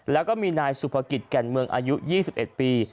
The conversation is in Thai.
แล้วก็มีนายสุภกิจแก่นเมืองอายุ๒๑ปี